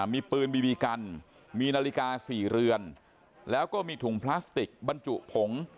มีปืนบีบีกันมีนาฬิกา๔เรือนแล้วก็มีถุงพลาสติกบรรจุผง